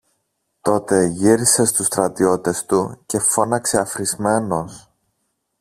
Τότε γύρισε στους στρατιώτες του και φώναξε αφρισμένος